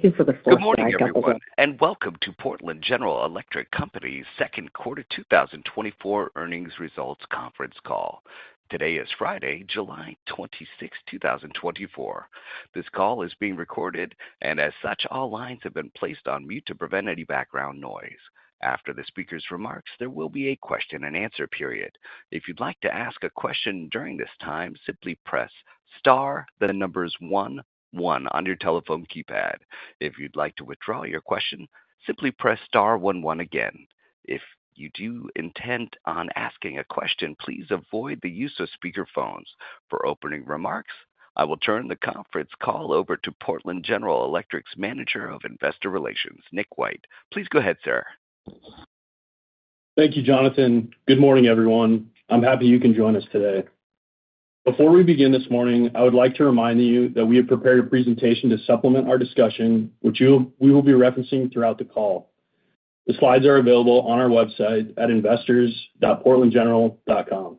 Good morning, everyone, and welcome to Portland General Electric Company's second quarter 2024 earnings results conference call. Today is Friday, July 26, 2024. This call is being recorded, and as such, all lines have been placed on mute to prevent any background noise. After the speaker's remarks, there will be a question-and-answer period. If you'd like to ask a question during this time, simply press star, then the number is one one on your telephone keypad. If you'd like to withdraw your question, simply press star one one again. If you do intend on asking a question, please avoid the use of speakerphones. For opening remarks, I will turn the conference call over to Portland General Electric's Manager of Investor Relations, Nick White. Please go ahead, sir. Thank you, Jonathan. Good morning, everyone. I'm happy you can join us today. Before we begin this morning, I would like to remind you that we have prepared a presentation to supplement our discussion, which we will be referencing throughout the call. The slides are available on our website at investors.portlandgeneral.com.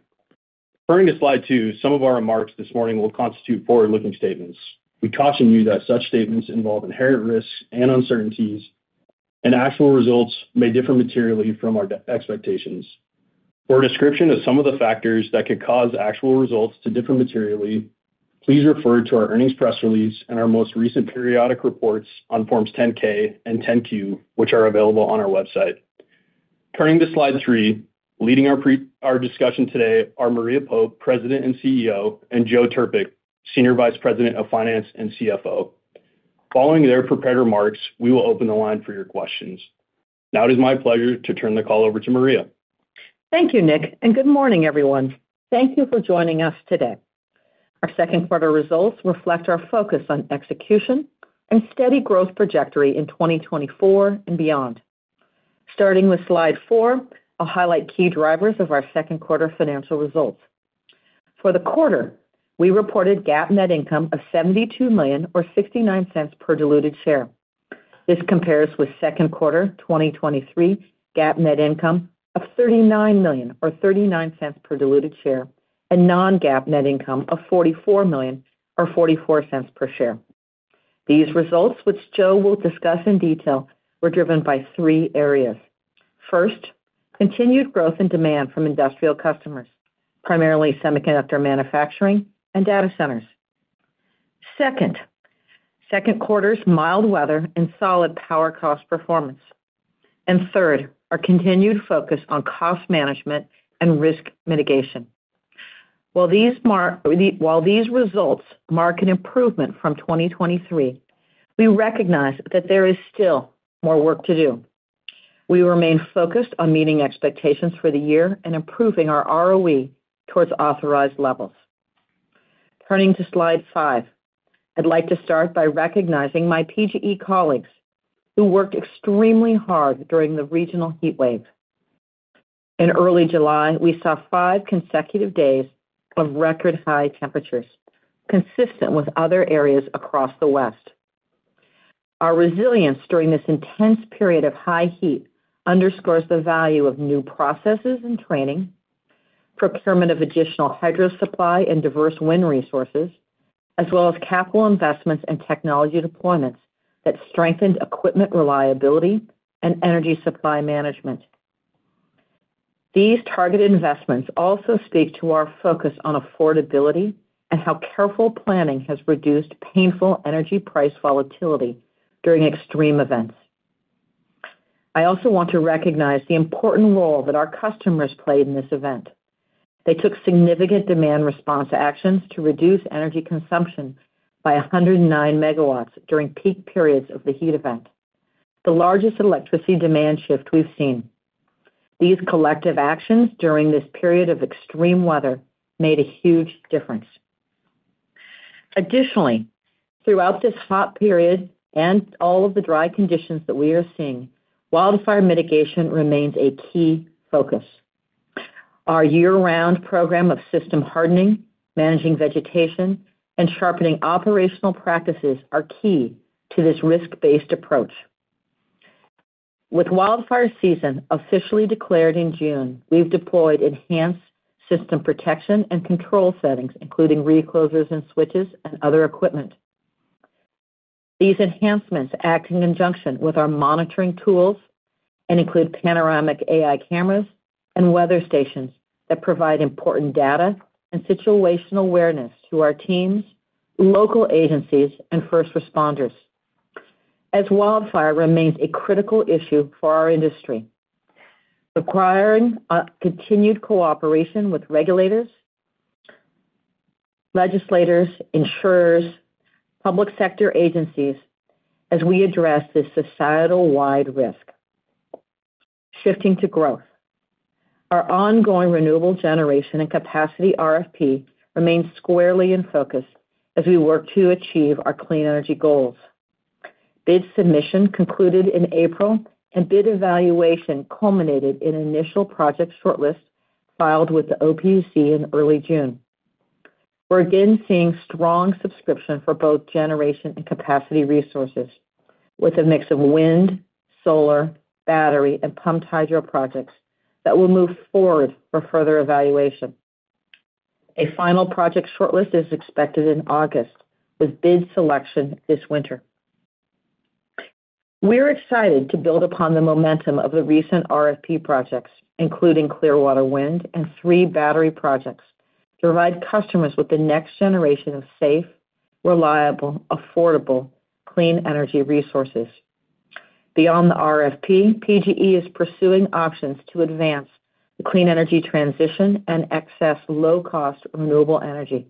Referring to slide 2, some of our remarks this morning will constitute forward-looking statements. We caution you that such statements involve inherent risks and uncertainties, and actual results may differ materially from our expectations. For a description of some of the factors that could cause actual results to differ materially, please refer to our earnings press release and our most recent periodic reports on Forms 10-K and 10-Q, which are available on our website. Turning to slide 3, leading our discussion today are Maria Pope, President and CEO, and Joe Trpik, Senior Vice President of Finance and CFO. Following their prepared remarks, we will open the line for your questions. Now it is my pleasure to turn the call over to Maria. Thank you, Nick, and good morning, everyone. Thank you for joining us today. Our second quarter results reflect our focus on execution and steady growth trajectory in 2024 and beyond. Starting with slide four, I'll highlight key drivers of our second quarter financial results. For the quarter, we reported GAAP net income of $72.69 per diluted share. This compares with second quarter 2023 GAAP net income of $39.39 per diluted share and non-GAAP net income of $44.44 per share. These results, which Joe will discuss in detail, were driven by three areas. First, continued growth in demand from industrial customers, primarily semiconductor manufacturing and data centers. Second, second quarter's mild weather and solid power cost performance. And third, our continued focus on cost management and risk mitigation. While these results mark an improvement from 2023, we recognize that there is still more work to do. We remain focused on meeting expectations for the year and improving our ROE towards authorized levels. Turning to slide five, I'd like to start by recognizing my PGE colleagues who worked extremely hard during the regional heat wave. In early July, we saw five consecutive days of record high temperatures, consistent with other areas across the West. Our resilience during this intense period of high heat underscores the value of new processes and training, procurement of additional hydro supply and diverse wind resources, as well as capital investments and technology deployments that strengthened equipment reliability and energy supply management. These targeted investments also speak to our focus on affordability and how careful planning has reduced painful energy price volatility during extreme events. I also want to recognize the important role that our customers played in this event. They took significant demand response actions to reduce energy consumption by 109 MW during peak periods of the heat event, the largest electricity demand shift we've seen. These collective actions during this period of extreme weather made a huge difference. Additionally, throughout this hot period and all of the dry conditions that we are seeing, wildfire mitigation remains a key focus. Our year-round program of system hardening, managing vegetation, and sharpening operational practices are key to this risk-based approach. With wildfire season officially declared in June, we've deployed enhanced system protection and control settings, including reclosers and switches and other equipment. These enhancements act in conjunction with our monitoring tools and include panoramic AI cameras and weather stations that provide important data and situational awareness to our teams, local agencies, and first responders. As wildfire remains a critical issue for our industry, requiring continued cooperation with regulators, legislators, insurers, and public sector agencies as we address this societal-wide risk. Shifting to growth, our ongoing renewable generation and capacity RFP remains squarely in focus as we work to achieve our clean energy goals. Bid submission concluded in April, and bid evaluation culminated in initial project shortlists filed with the OPUC in early June. We're again seeing strong subscription for both generation and capacity resources, with a mix of wind, solar, battery, and pumped hydro projects that will move forward for further evaluation. A final project shortlist is expected in August, with bid selection this winter. We're excited to build upon the momentum of the recent RFP projects, including Clearwater Wind and three battery projects, to provide customers with the next generation of safe, reliable, affordable clean energy resources. Beyond the RFP, PGE is pursuing options to advance the clean energy transition and access low-cost renewable energy.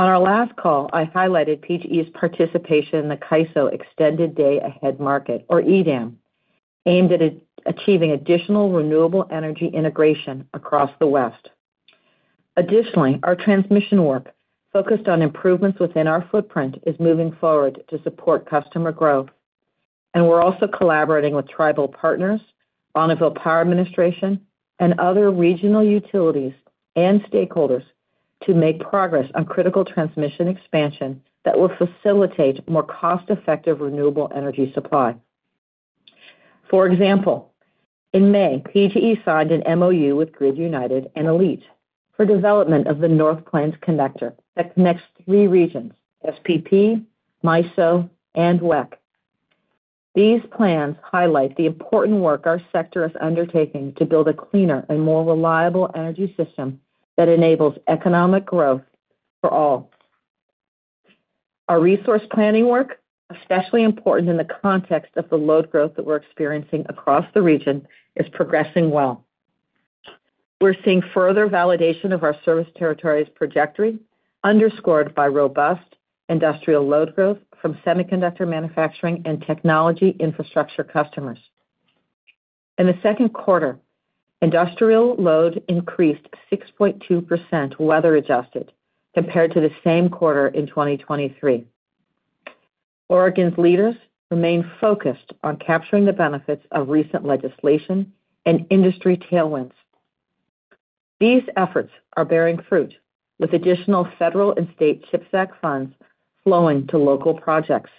On our last call, I highlighted PGE's participation in the CAISO Extended Day-Ahead Market, or EDAM, aimed at achieving additional renewable energy integration across the West. Additionally, our transmission work focused on improvements within our footprint is moving forward to support customer growth. We're also collaborating with tribal partners, Bonneville Power Administration, and other regional utilities and stakeholders to make progress on critical transmission expansion that will facilitate more cost-effective renewable energy supply. For example, in May, PGE signed an MoU with Grid United and ALLETE for development of the North Plains Connector that connects three regions: SPP, MISO, and WECC. These plans highlight the important work our sector is undertaking to build a cleaner and more reliable energy system that enables economic growth for all. Our resource planning work, especially important in the context of the load growth that we're experiencing across the region, is progressing well. We're seeing further validation of our service territory's trajectory, underscored by robust industrial load growth from semiconductor manufacturing and technology infrastructure customers. In the second quarter, industrial load increased 6.2% weather-adjusted compared to the same quarter in 2023. Oregon's leaders remain focused on capturing the benefits of recent legislation and industry tailwinds. These efforts are bearing fruit, with additional federal and state CHIPS Act funds flowing to local projects.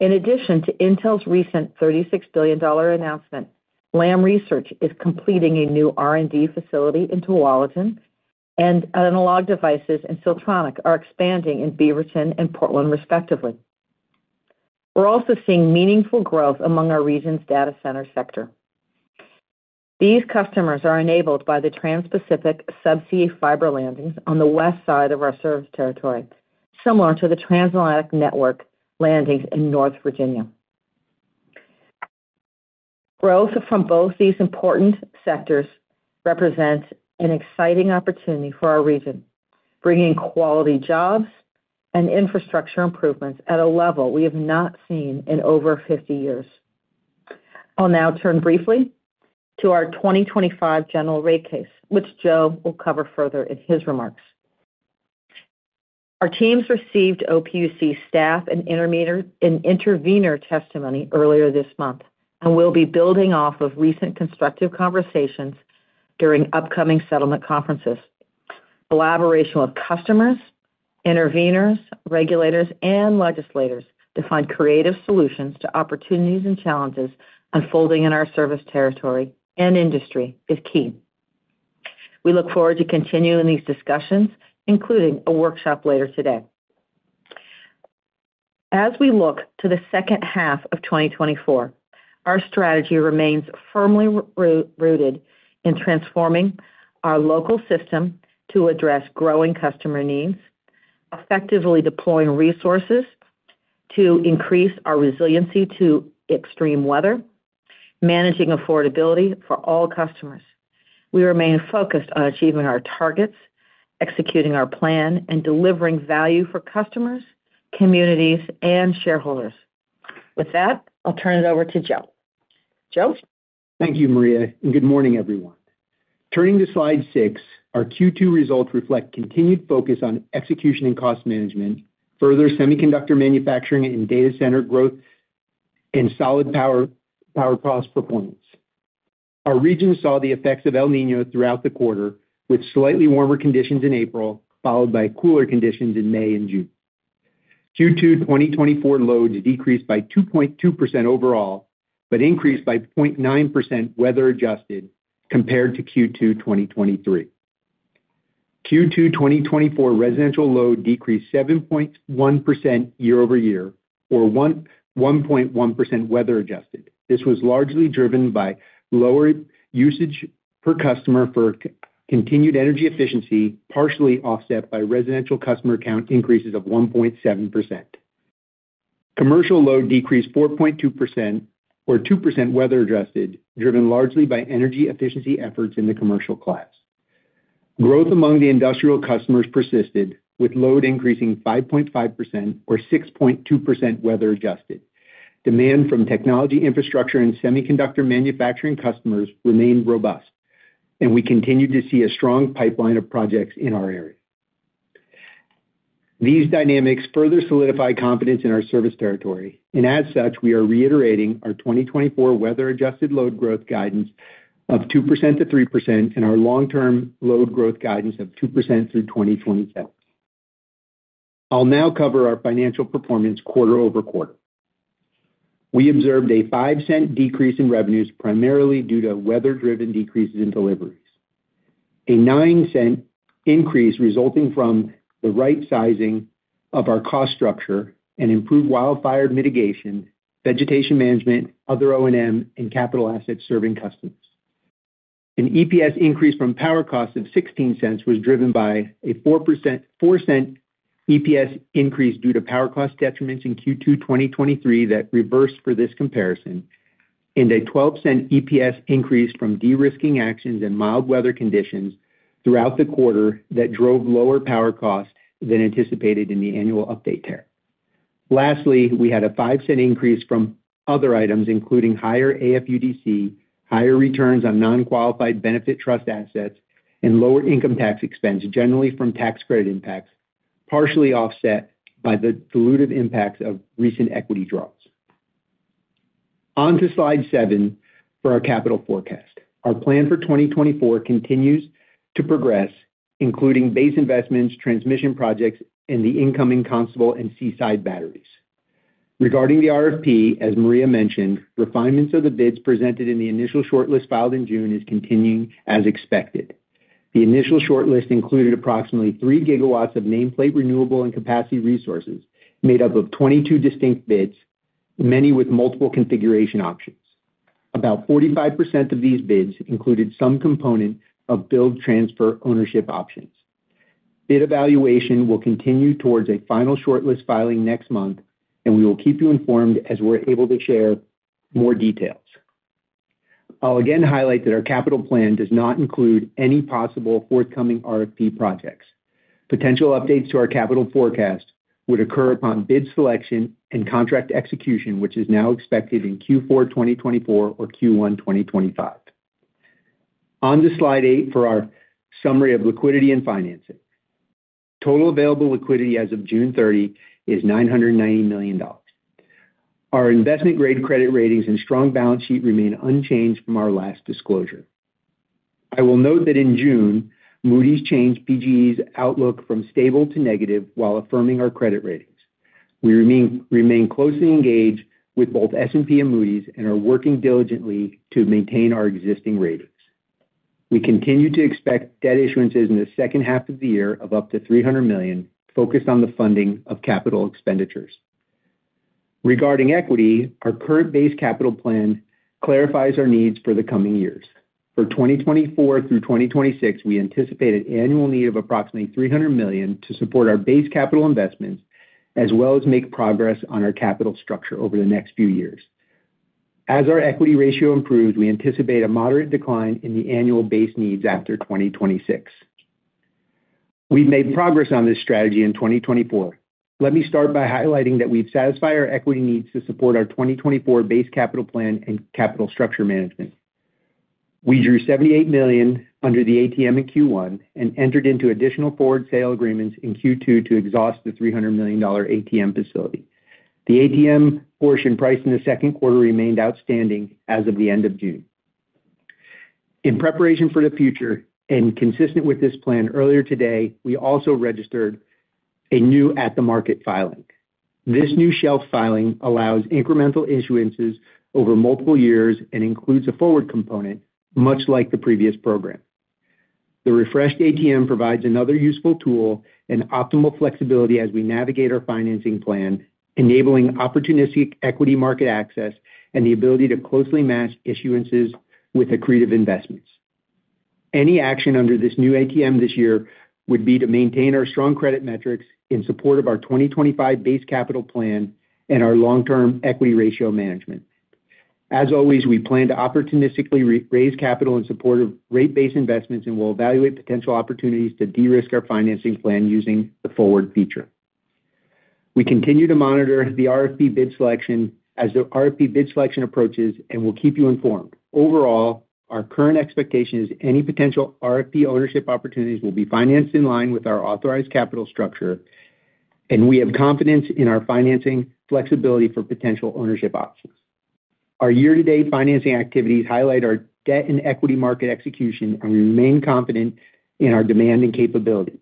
In addition to Intel's recent $36 billion announcement, Lam Research is completing a new R&D facility in Tualatin, and Analog Devices and Siltronic are expanding in Beaverton and Portland, respectively. We're also seeing meaningful growth among our region's data center sector. These customers are enabled by the Trans-Pacific subsea fiber landings on the west side of our service territory, similar to the Trans-Atlantic Network landings in North Virginia. Growth from both these important sectors represents an exciting opportunity for our region, bringing quality jobs and infrastructure improvements at a level we have not seen in over 50 years. I'll now turn briefly to our 2025 general rate case, which Joe will cover further in his remarks. Our teams received OPUC staff and intervenor testimony earlier this month and will be building off of recent constructive conversations during upcoming settlement conferences. Collaboration with customers, intervenors, regulators, and legislators to find creative solutions to opportunities and challenges unfolding in our service territory and industry is key. We look forward to continuing these discussions, including a workshop later today. As we look to the second half of 2024, our strategy remains firmly rooted in transforming our local system to address growing customer needs, effectively deploying resources to increase our resiliency to extreme weather, and managing affordability for all customers. We remain focused on achieving our targets, executing our plan, and delivering value for customers, communities, and shareholders. With that, I'll turn it over to Joe. Joe? Thank you, Maria, and good morning, everyone. Turning to slide six, our Q2 results reflect continued focus on execution and cost management, further semiconductor manufacturing and data center growth, and solid power cost performance. Our region saw the effects of El Niño throughout the quarter, with slightly warmer conditions in April followed by cooler conditions in May and June. Q2 2024 loads decreased by 2.2% overall, but increased by 0.9% weather-adjusted compared to Q2 2023. Q2 2024 residential load decreased 7.1% year-over-year, or 1.1% weather-adjusted. This was largely driven by lower usage per customer for continued energy efficiency, partially offset by residential customer count increases of 1.7%. Commercial load decreased 4.2%, or 2% weather-adjusted, driven largely by energy efficiency efforts in the commercial class. Growth among the industrial customers persisted, with load increasing 5.5%, or 6.2% weather-adjusted. Demand from technology infrastructure and semiconductor manufacturing customers remained robust, and we continued to see a strong pipeline of projects in our area. These dynamics further solidify confidence in our service territory, and as such, we are reiterating our 2024 weather-adjusted load growth guidance of 2%-3% and our long-term load growth guidance of 2% through 2027. I'll now cover our financial performance quarter-over-quarter. We observed a $0.05 decrease in revenues primarily due to weather-driven decreases in deliveries, a $0.09 increase resulting from the right-sizing of our cost structure and improved wildfire mitigation, vegetation management, other O&M, and capital assets serving customers. An EPS increase from power costs of $0.16 was driven by a $0.04 EPS increase due to power cost detriments in Q2 2023 that reversed for this comparison, and a $0.12 EPS increase from de-risking actions and mild weather conditions throughout the quarter that drove lower power costs than anticipated in the annual update tariff. Lastly, we had a $0.05 increase from other items, including higher AFUDC, higher returns on non-qualified benefit trust assets, and lower income tax expense, generally from tax credit impacts, partially offset by the diluted impacts of recent equity draws. On to slide 7 for our capital forecast. Our plan for 2024 continues to progress, including base investments, transmission projects, and the incoming Constable and Seaside batteries. Regarding the RFP, as Maria mentioned, refinements of the bids presented in the initial shortlist filed in June are continuing as expected. The initial shortlist included approximately three gigawatts of nameplate renewable and capacity resources made up of 22 distinct bids, many with multiple configuration options. About 45% of these bids included some component of build transfer ownership options. Bid evaluation will continue towards a final shortlist filing next month, and we will keep you informed as we're able to share more details. I'll again highlight that our capital plan does not include any possible forthcoming RFP projects. Potential updates to our capital forecast would occur upon bid selection and contract execution, which is now expected in Q4 2024 or Q1 2025. On to slide 8 for our summary of liquidity and financing. Total available liquidity as of June 30 is $990 million. Our investment-grade credit ratings and strong balance sheet remain unchanged from our last disclosure. I will note that in June, Moody's changed PGE's outlook from stable to negative while affirming our credit ratings. We remain closely engaged with both S&P and Moody's and are working diligently to maintain our existing ratings. We continue to expect debt issuances in the second half of the year of up to $300 million, focused on the funding of CapEx. Regarding equity, our current base capital plan clarifies our needs for the coming years. For 2024 through 2026, we anticipate an annual need of approximately $300 million to support our base capital investments as well as make progress on our capital structure over the next few years. As our equity ratio improves, we anticipate a moderate decline in the annual base needs after 2026. We've made progress on this strategy in 2024. Let me start by highlighting that we've satisfied our equity needs to support our 2024 base capital plan and capital structure management. We drew $78 million under the ATM in Q1 and entered into additional forward sale agreements in Q2 to exhaust the $300 million ATM facility. The ATM portion priced in the second quarter remained outstanding as of the end of June. In preparation for the future and consistent with this plan earlier today, we also registered a new at-the-market filing. This new shelf filing allows incremental issuances over multiple years and includes a forward component, much like the previous program. The refreshed ATM provides another useful tool and optimal flexibility as we navigate our financing plan, enabling opportunistic equity market access and the ability to closely match issuances with accretive investments. Any action under this new ATM this year would be to maintain our strong credit metrics in support of our 2025 base capital plan and our long-term equity ratio management. As always, we plan to opportunistically raise capital in support of rate-based investments and will evaluate potential opportunities to de-risk our financing plan using the forward feature. We continue to monitor the RFP bid selection as the RFP bid selection approaches and will keep you informed. Overall, our current expectation is any potential RFP ownership opportunities will be financed in line with our authorized capital structure, and we have confidence in our financing flexibility for potential ownership options. Our year-to-date financing activities highlight our debt and equity market execution and remain confident in our demand and capability.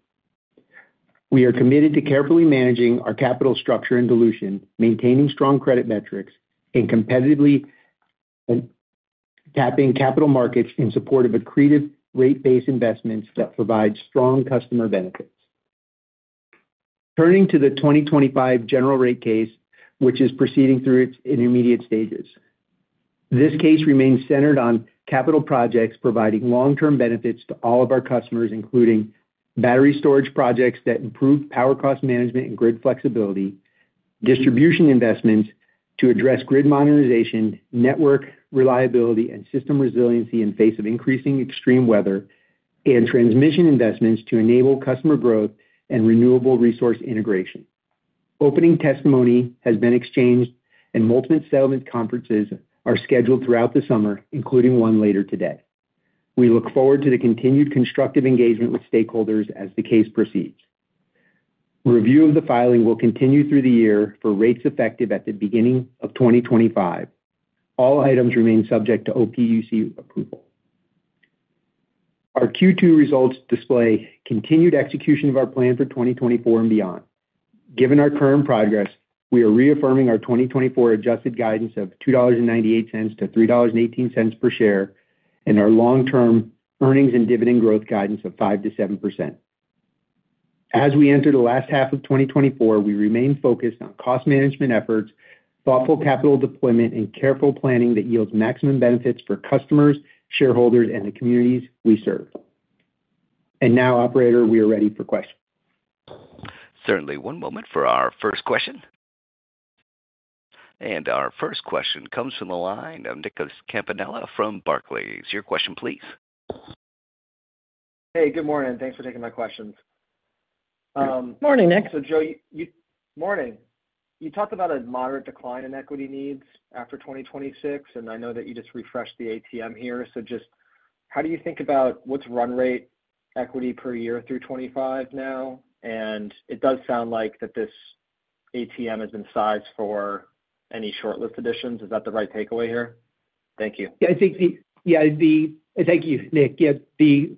We are committed to carefully managing our capital structure and dilution, maintaining strong credit metrics, and competitively tapping capital markets in support of accretive rate-based investments that provide strong customer benefits. Turning to the 2025 general rate case, which is proceeding through its intermediate stages. This case remains centered on capital projects providing long-term benefits to all of our customers, including battery storage projects that improve power cost management and grid flexibility, distribution investments to address grid modernization, network reliability, and system resiliency in the face of increasing extreme weather, and transmission investments to enable customer growth and renewable resource integration. Opening testimony has been exchanged, and multiple settlement conferences are scheduled throughout the summer, including one later today. We look forward to the continued constructive engagement with stakeholders as the case proceeds. Review of the filing will continue through the year for rates effective at the beginning of 2025. All items remain subject to OPUC approval. Our Q2 results display continued execution of our plan for 2024 and beyond. Given our current progress, we are reaffirming our 2024 adjusted guidance of $2.98-$3.18 per share and our long-term earnings and dividend growth guidance of 5%-7%. As we enter the last half of 2024, we remain focused on cost management efforts, thoughtful capital deployment, and careful planning that yields maximum benefits for customers, shareholders, and the communities we serve. And now, Operator, we are ready for questions. Certainly. One moment for our first question. Our first question comes from the line of Nicholas Campanella from Barclays. Your question, please. Hey, good morning. Thanks for taking my questions. Good morning, Nick. So, Joe, morning. You talked about a moderate decline in equity needs after 2026, and I know that you just refreshed the ATM here. So just how do you think about what's run rate equity per year through 2025 now? And it does sound like that this ATM has been sized for any shortlist additions. Is that the right takeaway here? Thank you. Yeah. I think, yeah, thank you, Nick. Yeah.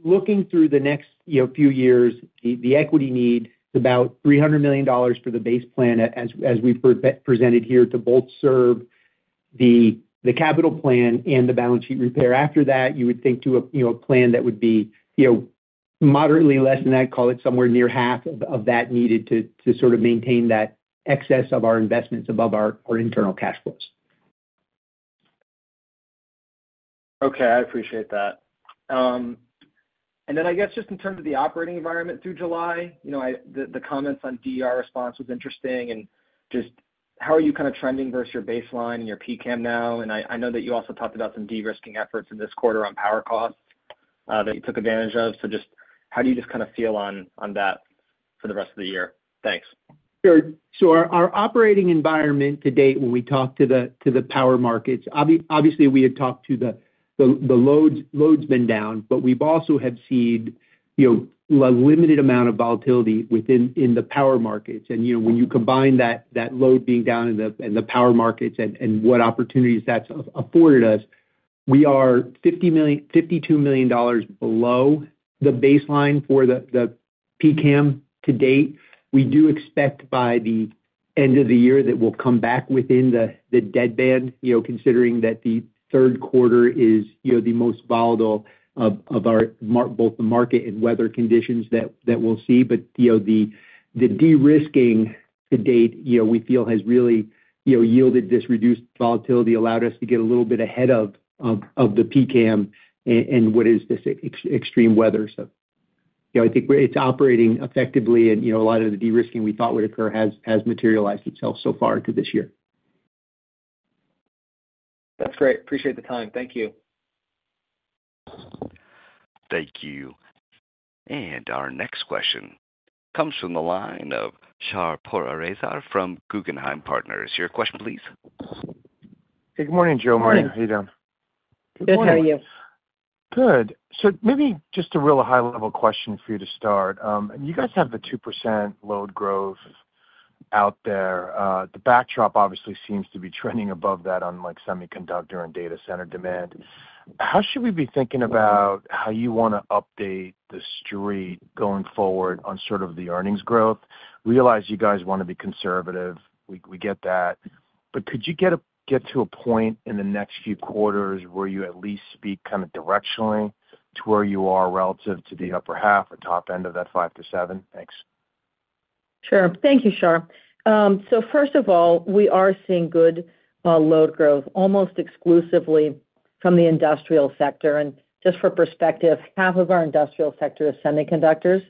Looking through the next few years, the equity need is about $300 million for the base plan, as we've presented here, to both serve the capital plan and the balance sheet repair. After that, you would think to a plan that would be moderately less than that, call it somewhere near half of that needed to sort of maintain that excess of our investments above our internal cash flows. Okay. I appreciate that. And then I guess just in terms of the operating environment through July, the comments on DER response was interesting. And just how are you kind of trending versus your baseline and your PCAM now? And I know that you also talked about some de-risking efforts in this quarter on power costs that you took advantage of. So just how do you just kind of feel on that for the rest of the year? Thanks. Sure. So our operating environment to date when we talk about the power markets, obviously, we had talked about the loads being down, but we've also seen a limited amount of volatility within the power markets. And when you combine that load being down in the power markets and what opportunities that's afforded us, we are $52 million below the baseline for the PCAM to date. We do expect by the end of the year that we'll come back within the deadband, considering that the third quarter is the most volatile of both the market and weather conditions that we'll see. But the de-risking to date, we feel, has really yielded this reduced volatility, allowed us to get a little bit ahead of the PCAM in this extreme weather. I think it's operating effectively, and a lot of the de-risking we thought would occur has materialized itself so far to this year. That's great. Appreciate the time. Thank you. Thank you. And our next question comes from the line of Shar Pourreza from Guggenheim Partners. Your question, please. Hey, good morning, Joe, Maria. Morning. How are you doing? Good. How are you? Good. So maybe just a real high-level question for you to start. You guys have the 2% load growth out there. The backdrop obviously seems to be trending above that on semiconductor and data center demand. How should we be thinking about how you want to update the street going forward on sort of the earnings growth? Realize you guys want to be conservative. We get that. But could you get to a point in the next few quarters where you at least speak kind of directionally to where you are relative to the upper half or top end of that 5%-7%? Thanks. Sure. Thank you, Shar. So first of all, we are seeing good load growth almost exclusively from the industrial sector. And just for perspective, half of our industrial sector is semiconductors,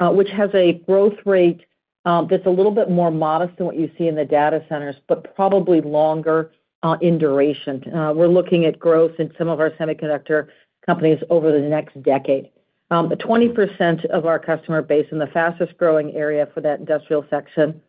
which has a growth rate that's a little bit more modest than what you see in the data centers, but probably longer in duration. We're looking at growth in some of our semiconductor companies over the next decade. Twenty percent of our customer base in the fastest growing area for that industrial section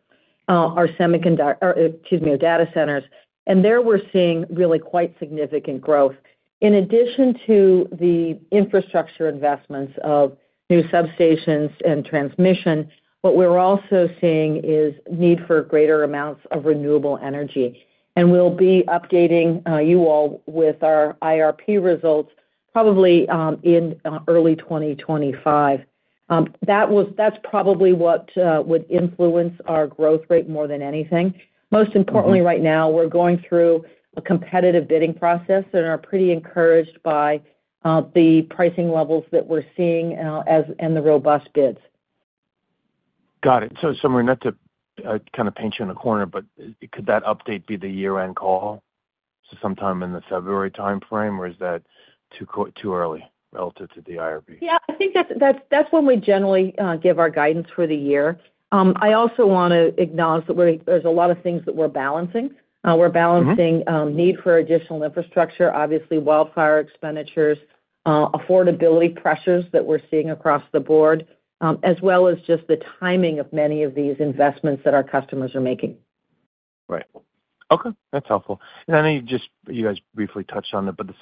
are semiconductor, excuse me, or data centers. And there we're seeing really quite significant growth. In addition to the infrastructure investments of new substations and transmission, what we're also seeing is need for greater amounts of renewable energy. And we'll be updating you all with our IRP results probably in early 2025. That's probably what would influence our growth rate more than anything. Most importantly, right now, we're going through a competitive bidding process and are pretty encouraged by the pricing levels that we're seeing and the robust bids. Got it. So we're not to kind of paint you in a corner, but could that update be the year-end call? So sometime in the February timeframe, or is that too early relative to the IRP? Yeah. I think that's when we generally give our guidance for the year. I also want to acknowledge that there's a lot of things that we're balancing. We're balancing need for additional infrastructure, obviously wildfire expenditures, affordability pressures that we're seeing across the board, as well as just the timing of many of these investments that our customers are making. Right. Okay. That's helpful. And I know you guys briefly touched on it, but the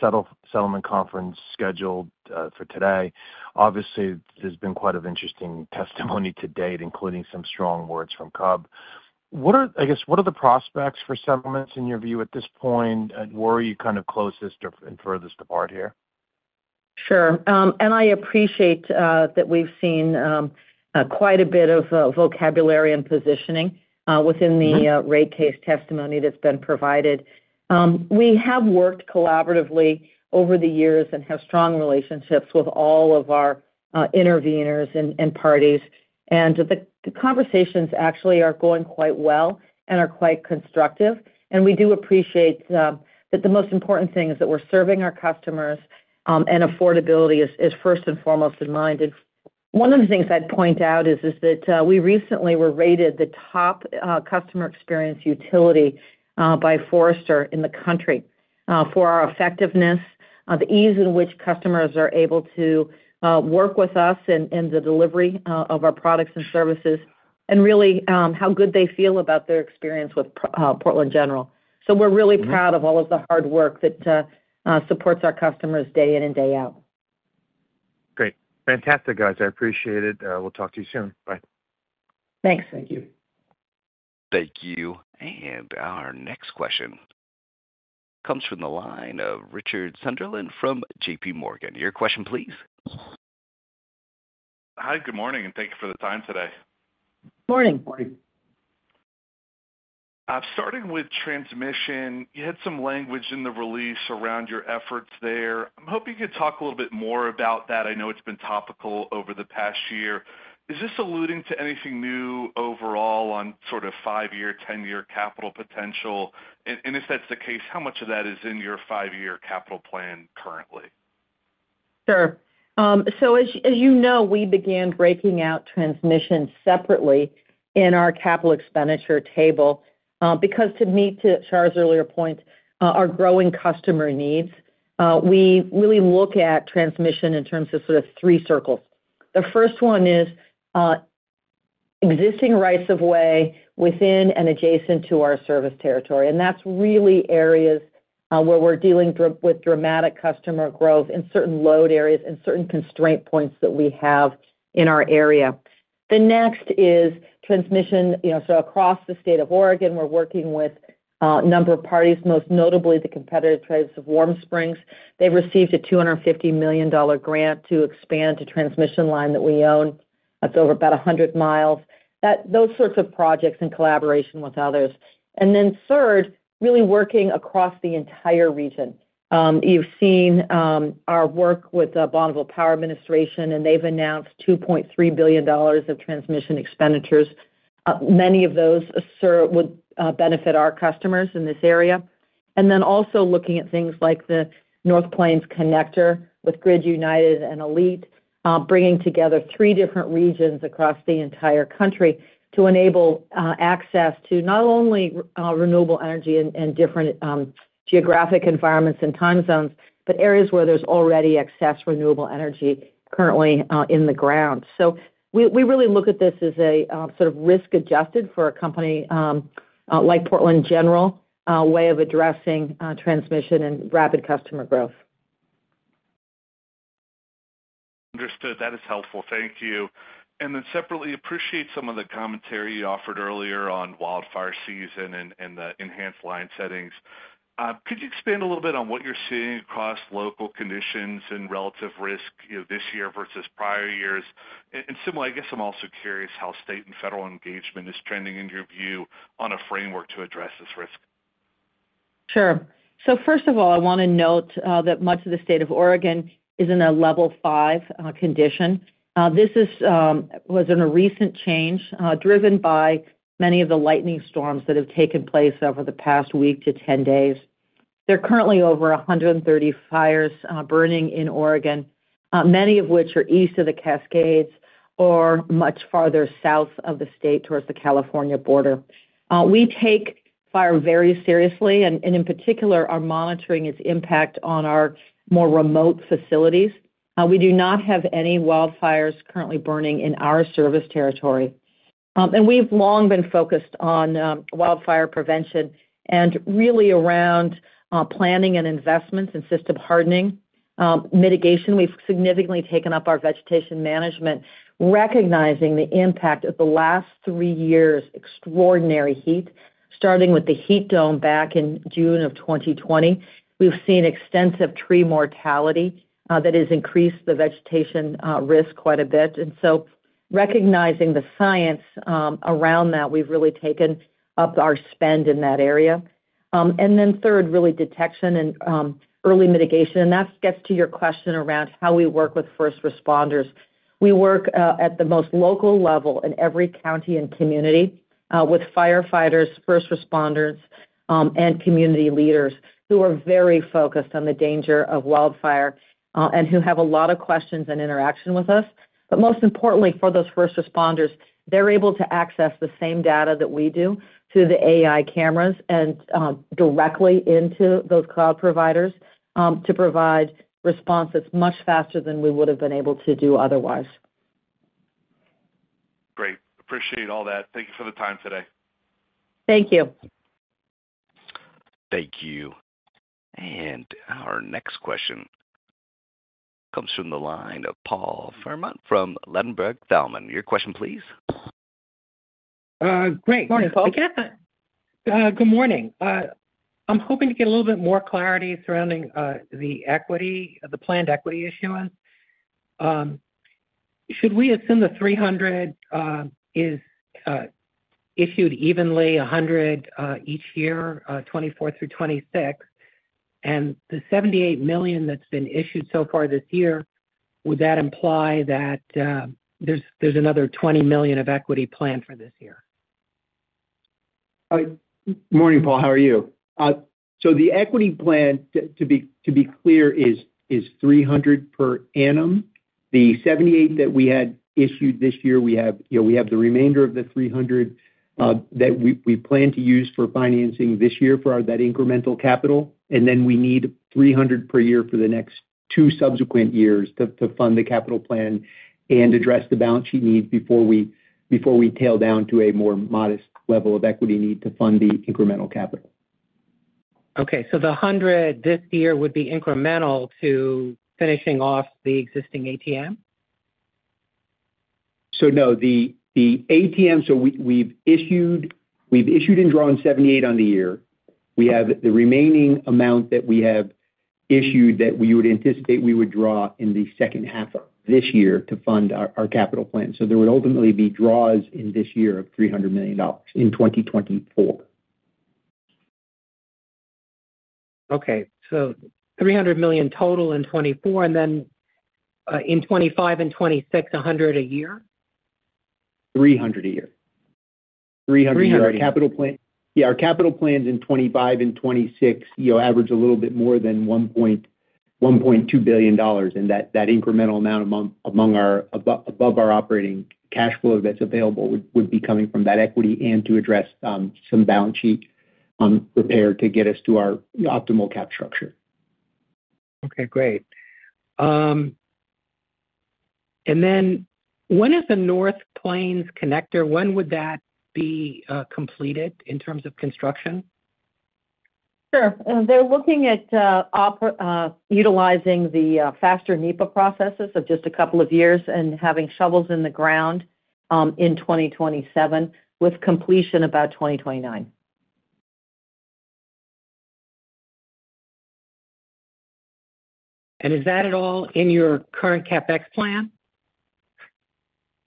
settlement conference scheduled for today, obviously, there's been quite an interesting testimony to date, including some strong words from CUB. I guess, what are the prospects for settlements in your view at this point? Where are you kind of closest and furthest apart here? Sure. I appreciate that we've seen quite a bit of vocabulary and positioning within the rate case testimony that's been provided. We have worked collaboratively over the years and have strong relationships with all of our interveners and parties. The conversations actually are going quite well and are quite constructive. We do appreciate that the most important thing is that we're serving our customers, and affordability is first and foremost in mind. One of the things I'd point out is that we recently were rated the top customer experience utility by Forrester in the country for our effectiveness, the ease in which customers are able to work with us in the delivery of our products and services, and really how good they feel about their experience with Portland General. We're really proud of all of the hard work that supports our customers day in and day out. Great. Fantastic, guys. I appreciate it. We'll talk to you soon. Bye. Thanks. Thank you. Thank you. Our next question comes from the line of Richard Sunderland from JPMorgan. Your question, please? Hi, good morning, and thank you for the time today. Morning. Morning. Starting with transmission, you had some language in the release around your efforts there. I'm hoping you could talk a little bit more about that. I know it's been topical over the past year. Is this alluding to anything new overall on sort of five-year, ten-year capital potential? And if that's the case, how much of that is in your five-year capital plan currently? Sure. So as you know, we began breaking out transmission separately in our CapEx table because, to meet to Shar's earlier point, our growing customer needs, we really look at transmission in terms of sort of three circles. The first one is existing rights of way within and adjacent to our service territory. And that's really areas where we're dealing with dramatic customer growth in certain load areas and certain constraint points that we have in our area. The next is transmission. So across the state of Oregon, we're working with a number of parties, most notably the Confederated Tribes of Warm Springs. They've received a $250 million grant to expand the transmission line that we own. That's over about 100 miles. Those sorts of projects in collaboration with others. And then third, really working across the entire region. You've seen our work with the Bonneville Power Administration, and they've announced $2.3 billion of transmission expenditures. Many of those would benefit our customers in this area. Then also looking at things like the North Plains Connector with Grid United and ALLETE, bringing together three different regions across the entire country to enable access to not only renewable energy and different geographic environments and time zones, but areas where there's already excess renewable energy currently in the ground. So we really look at this as a sort of risk-adjusted for a company like Portland General way of addressing transmission and rapid customer growth. Understood. That is helpful. Thank you. And then separately, appreciate some of the commentary you offered earlier on wildfire season and the enhanced line settings. Could you expand a little bit on what you're seeing across local conditions and relative risk this year versus prior years? And similarly, I guess I'm also curious how state and federal engagement is trending in your view on a framework to address this risk? Sure. So first of all, I want to note that much of the state of Oregon is in a level five condition. This was a recent change driven by many of the lightning storms that have taken place over the past week to 10 days. There are currently over 130 fires burning in Oregon, many of which are east of the Cascades or much farther south of the state towards the California border. We take fire very seriously, and in particular, are monitoring its impact on our more remote facilities. We do not have any wildfires currently burning in our service territory. And we've long been focused on wildfire prevention and really around planning and investments and system hardening mitigation. We've significantly taken up our vegetation management, recognizing the impact of the last three years' extraordinary heat, starting with the heat dome back in June of 2020. We've seen extensive tree mortality that has increased the vegetation risk quite a bit. And so recognizing the science around that, we've really taken up our spend in that area. And then third, really detection and early mitigation. And that gets to your question around how we work with first responders. We work at the most local level in every county and community with firefighters, first responders, and community leaders who are very focused on the danger of wildfire and who have a lot of questions and interaction with us. But most importantly, for those first responders, they're able to access the same data that we do through the AI cameras and directly into those cloud providers to provide responses much faster than we would have been able to do otherwise. Great. Appreciate all that. Thank you for the time today. Thank you. Thank you. Our next question comes from the line of Paul Fremont from Ladenburg Thalmann. Your question, please. Great. Good morning, Paul. Good morning. I'm hoping to get a little bit more clarity surrounding the planned equity issuance. Should we assume the $300 million is issued evenly, $100 million each year, 2024 through 2026, and the $78 million that's been issued so far this year, would that imply that there's another $20 million of equity planned for this year? Morning, Paul. How are you? So the equity plan, to be clear, is $300 million per annum. The $78 million that we had issued this year, we have the remainder of the $300 million that we plan to use for financing this year for that incremental capital. And then we need $300 million per year for the next 2 subsequent years to fund the capital plan and address the balance sheet needs before we tail down to a more modest level of equity need to fund the incremental capital. Okay. So the $100 million this year would be incremental to finishing off the existing ATM? No, the ATM, so we've issued and drawn $78 million on the year. We have the remaining amount that we have issued that we would anticipate we would draw in the second half of this year to fund our capital plan. So there would ultimately be draws in this year of $300 million in 2024. Okay. So $300 million total in 2024, and then in 2025 and 2026, $100 million a year? Three hundred a year, 300 a year. Three hundred. Yeah. Our capital plans in 2025 and 2026 average a little bit more than $1.2 billion. That incremental amount above our operating cash flow that's available would be coming from that equity and to address some balance sheet repair to get us to our optimal cap structure. Okay. Great. And then when is the North Plains Connector? When would that be completed in terms of construction? Sure. They're looking at utilizing the faster NEPA processes of just a couple of years and having shovels in the ground in 2027 with completion about 2029. Is that at all in your current CapEx plan?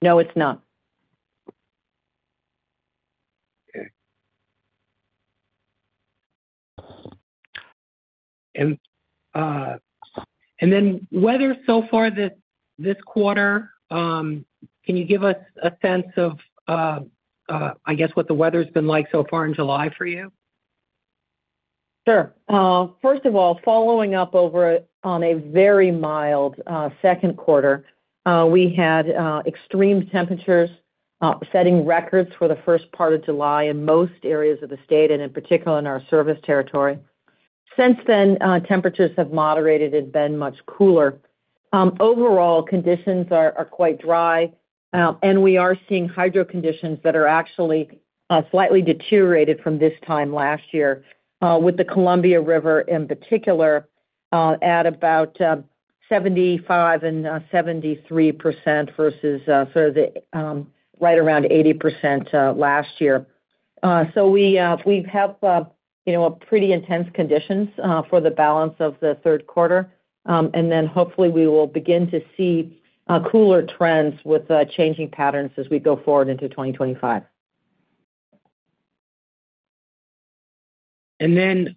No, it's not. Okay. And then weather so far this quarter, can you give us a sense of, I guess, what the weather's been like so far in July for you? Sure. First of all, following up on a very mild second quarter, we had extreme temperatures setting records for the first part of July in most areas of the state and in particular in our service territory. Since then, temperatures have moderated and been much cooler. Overall, conditions are quite dry, and we are seeing hydro conditions that are actually slightly deteriorated from this time last year with the Columbia River in particular at about 75% and 73% versus sort of right around 80% last year. So we have pretty intense conditions for the balance of the third quarter. And then hopefully, we will begin to see cooler trends with changing patterns as we go forward into 2025. And then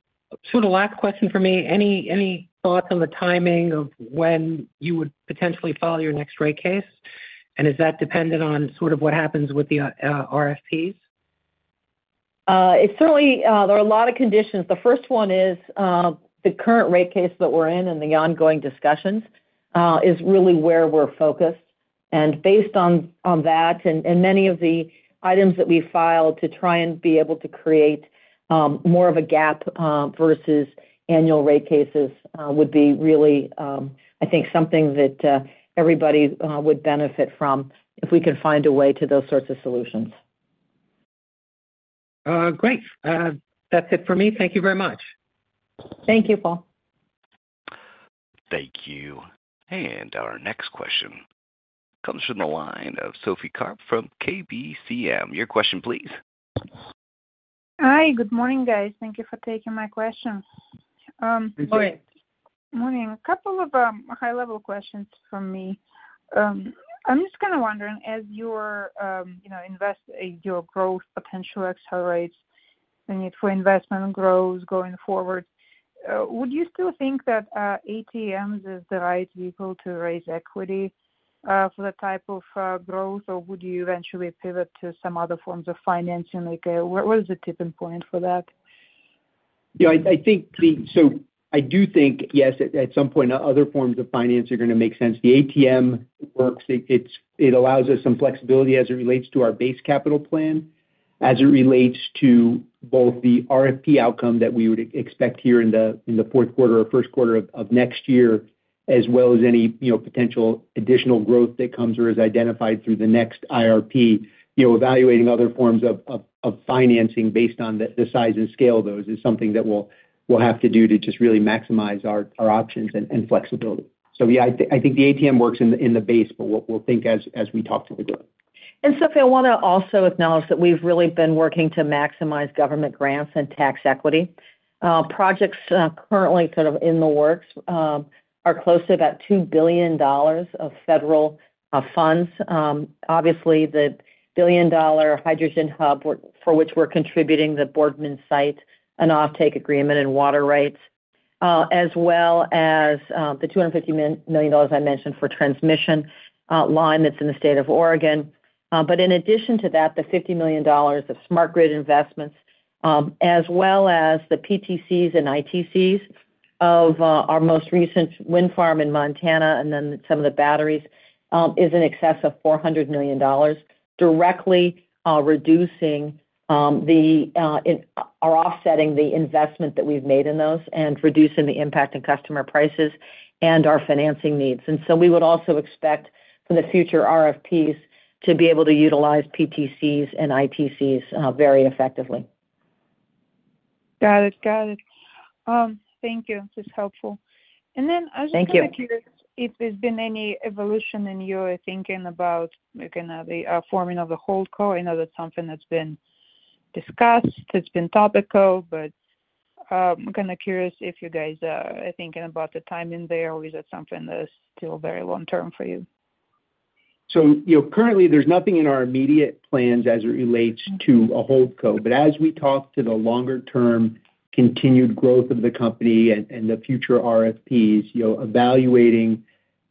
sort of last question for me, any thoughts on the timing of when you would potentially file your next rate case? Is that dependent on sort of what happens with the RFPs? Certainly, there are a lot of conditions. The first one is the current rate case that we're in and the ongoing discussions is really where we're focused. Based on that and many of the items that we filed to try and be able to create more of a gap versus annual rate cases would be really, I think, something that everybody would benefit from if we can find a way to those sorts of solutions. Great. That's it for me. Thank you very much. Thank you, Paul. Thank you. Our next question comes from the line of Sophie Karp from KBCM. Your question, please. Hi. Good morning, guys. Thank you for taking my question. Good morning. Good morning. A couple of high-level questions for me. I'm just kind of wondering, as your growth potential accelerates and for investment grows going forward, would you still think that ATMs is the right vehicle to raise equity for the type of growth, or would you eventually pivot to some other forms of financing? What is the tipping point for that? Yeah. So I do think, yes, at some point, other forms of finance are going to make sense. The ATM works. It allows us some flexibility as it relates to our base capital plan, as it relates to both the RFP outcome that we would expect here in the fourth quarter or first quarter of next year, as well as any potential additional growth that comes or is identified through the next IRP. Evaluating other forms of financing based on the size and scale of those is something that we'll have to do to just really maximize our options and flexibility. So yeah, I think the ATM works in the base, but what we'll think as we talk to the growth. And Sophie, I want to also acknowledge that we've really been working to maximize government grants and tax equity. Projects currently sort of in the works are close to about $2 billion of federal funds. Obviously, the billion-dollar hydrogen hub for which we're contributing, the Boardman site, an off-take agreement and water rights, as well as the $250 million I mentioned for transmission line that's in the state of Oregon. But in addition to that, the $50 million of smart grid investments, as well as the PTCs and ITCs of our most recent wind farm in Montana and then some of the batteries, is in excess of $400 million, directly reducing or offsetting the investment that we've made in those and reducing the impact on customer prices and our financing needs. We would also expect for the future RFPs to be able to utilize PTCs and ITCs very effectively. Got it. Got it. Thank you. This is helpful. And then I was just kind of curious if there's been any evolution in your thinking about the forming of the HoldCo. I know that's something that's been discussed. It's been topical, but I'm kind of curious if you guys are thinking about the timing there, or is that something that's still very long-term for you? Currently, there's nothing in our immediate plans as it relates to a HoldCo. But as we talk to the longer-term continued growth of the company and the future RFPs, evaluating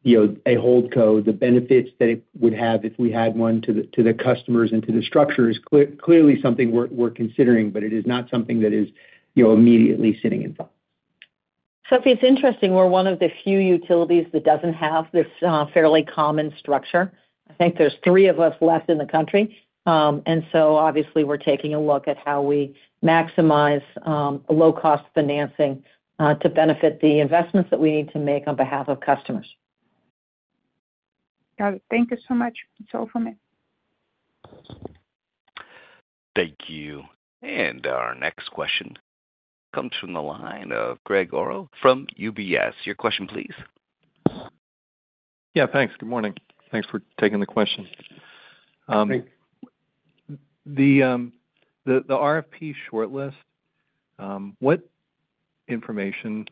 a HoldCo, the benefits that it would have if we had one to the customers and to the structure is clearly something we're considering, but it is not something that is immediately sitting in front. Sophie, it's interesting. We're one of the few utilities that doesn't have this fairly common structure. I think there's three of us left in the country. And so obviously, we're taking a look at how we maximize low-cost financing to benefit the investments that we need to make on behalf of customers. Got it. Thank you so much. That's all for me. Thank you. And our next question comes from the line of Greg Orrill from UBS. Your question, please. Yeah. Thanks. Good morning. Thanks for taking the question. The RFP shortlist, what information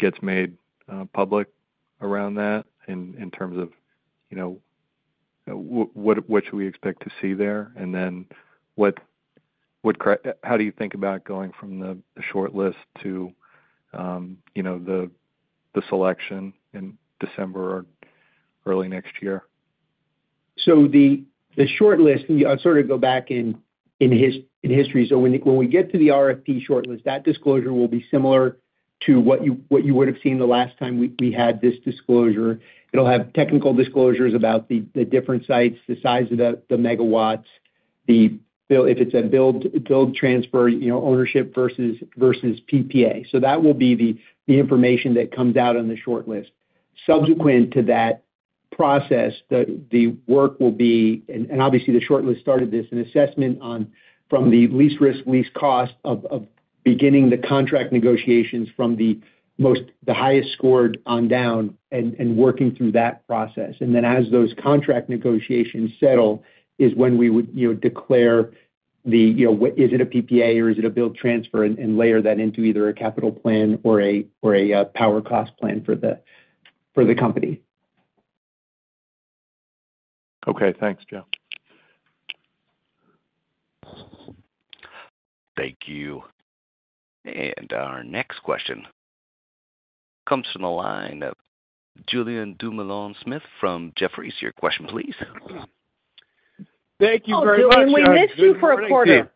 gets made public around that in terms of what should we expect to see there? And then how do you think about going from the shortlist to the selection in December or early next year? So the shortlist, I'll sort of go back in history. So when we get to the RFP shortlist, that disclosure will be similar to what you would have seen the last time we had this disclosure. It'll have technical disclosures about the different sites, the size of the megawatts, if it's a build transfer ownership versus PPA. So that will be the information that comes out on the shortlist. Subsequent to that process, the work will be, and obviously, the shortlist started this, an assessment from the least risk, least cost of beginning the contract negotiations from the highest scored on down and working through that process. And then as those contract negotiations settle is when we would declare the, is it a PPA or is it a build transfer? And layer that into either a capital plan or a power cost plan for the company. Okay. Thanks, Joe. Thank you. Our next question comes from the line of Julien Dumoulin-Smith from Jefferies. Your question, please. Thank you very much, Jonathan. We missed you for a quarter.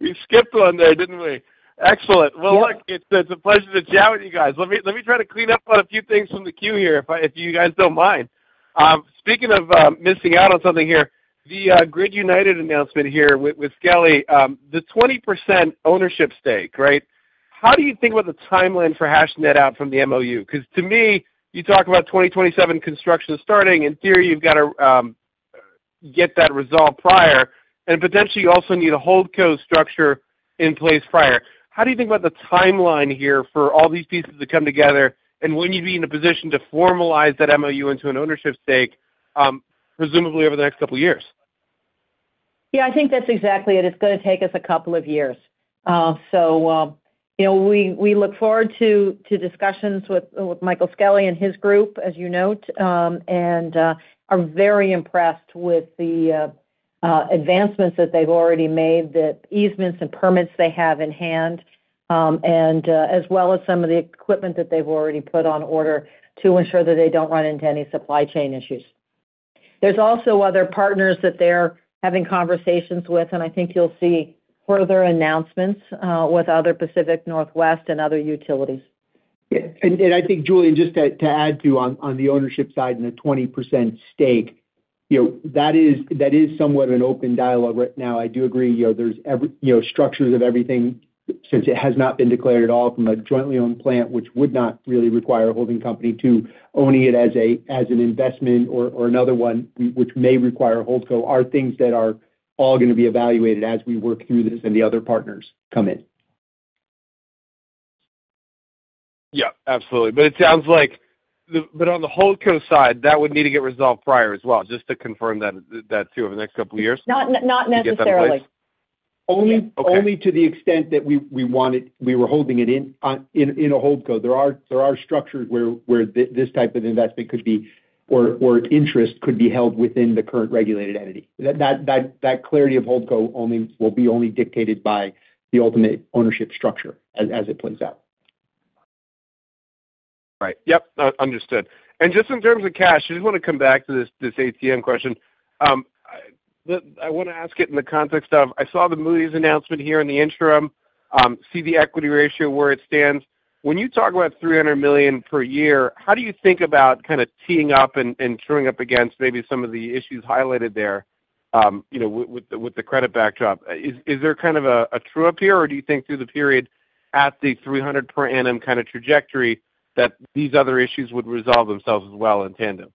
We skipped one there, didn't we? Excellent. Well, look, it's a pleasure to chat with you guys. Let me try to clean up on a few things from the queue here, if you guys don't mind. Speaking of missing out on something here, the Grid United announcement here with Skelly, the 20% ownership stake, right? How do you think about the timeline for hashing that out from the MoU? Because to me, you talk about 2027 construction starting. In theory, you've got to get that resolved prior. And potentially, you also need a HoldCo structure in place prior. How do you think about the timeline here for all these pieces to come together? And when you'd be in a position to formalize that MoU into an ownership stake, presumably over the next couple of years? Yeah. I think that's exactly it. It's going to take us a couple of years. So we look forward to discussions with Michael Skelly and his group, as you note, and are very impressed with the advancements that they've already made, the easements and permits they have in hand, as well as some of the equipment that they've already put on order to ensure that they don't run into any supply chain issues. There's also other partners that they're having conversations with, and I think you'll see further announcements with other Pacific Northwest and other utilities. Yeah. And I think, Julien, just to add too on the ownership side and the 20% stake, that is somewhat of an open dialogue right now. I do agree there's structures of everything since it has not been declared at all from a jointly owned plant, which would not really require a holding company to owning it as an investment or another one, which may require a holdco, are things that are all going to be evaluated as we work through this and the other partners come in. Yeah. Absolutely. But on the HoldCo side, that would need to get resolved prior as well, just to confirm that too over the next couple of years. Not necessarily. Only to the extent that we were holding it in a HoldCo. There are structures where this type of investment could be or interest could be held within the current regulated entity. That clarity of HoldCo will be only dictated by the ultimate ownership structure as it plays out. Right. Yep. Understood. And just in terms of cash, I just want to come back to this ATM question. I want to ask it in the context of I saw the Moody’s announcement here in the interim. I see the equity ratio where it stands. When you talk about $300 million per year, how do you think about kind of teeing up and trueing up against maybe some of the issues highlighted there with the credit backdrop? Is there kind of a true-up here, or do you think through the period at the $300 million per annum kind of trajectory that these other issues would resolve themselves as well in tandem?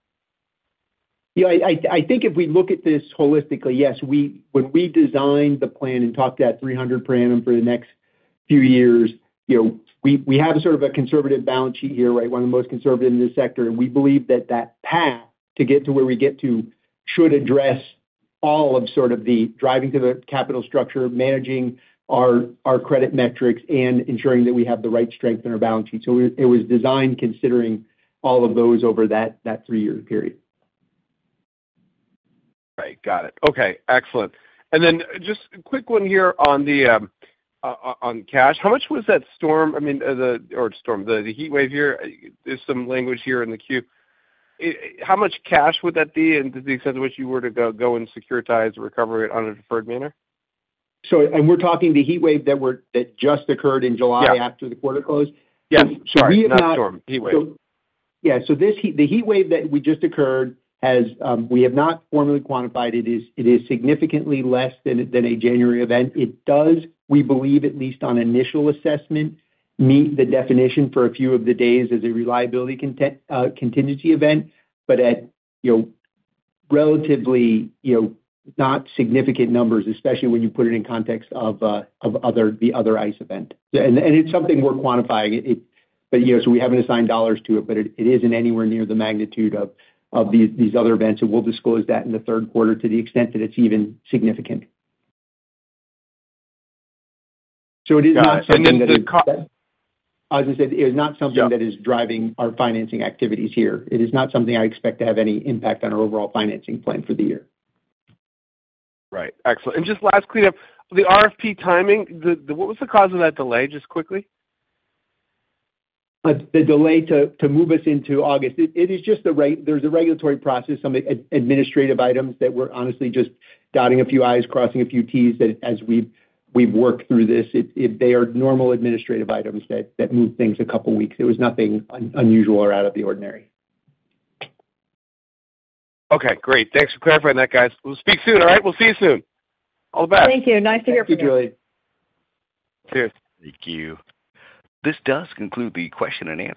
Yeah. I think if we look at this holistically, yes. When we designed the plan and talked to that $300 million per annum for the next few years, we have sort of a conservative balance sheet here, right? One of the most conservative in this sector. And we believe that that path to get to where we get to should address all of sort of the driving to the capital structure, managing our credit metrics, and ensuring that we have the right strength in our balance sheet. So it was designed considering all of those over that three-year period. Right. Got it. Okay. Excellent. And then just a quick one here on cash. How much was that storm—I mean, or storm, the heat wave here? There's some language here in the quarter. How much cash would that be and to the extent of which you were to go and securitize the recovery in a deferred manner? We're talking the heat wave that just occurred in July after the quarter closed? Yes. Sorry. Not storm. Heat wave. Yeah. So the heat wave that we just occurred, we have not formally quantified it. It is significantly less than a January event. It does, we believe, at least on initial assessment, meet the definition for a few of the days as a reliability contingency event, but at relatively not significant numbers, especially when you put it in context of the other ice event. And it's something we're quantifying. So we haven't assigned dollars to it, but it isn't anywhere near the magnitude of these other events. And we'll disclose that in the third quarter to the extent that it's even significant. So it is not something that is, as I said, it is not something that is driving our financing activities here. It is not something I expect to have any impact on our overall financing plan for the year. Right. Excellent. And just last cleanup. The RFP timing, what was the cause of that delay? Just quickly. The delay to move us into August. It is just the right. There's a regulatory process, some administrative items that we're honestly just dotting a few i's, crossing a few t's as we've worked through this. They are normal administrative items that move things a couple of weeks. There was nothing unusual or out of the ordinary. Okay. Great. Thanks for clarifying that, guys. We'll speak soon, all right? We'll see you soon. All the best. Thank you. Nice to hear from you. Thank you, Julien. Cheers. Thank you. This does conclude the question-and-answer.